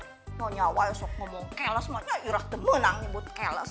ma nyawa esok ngomong keles ma nyairah demenang nyebut keles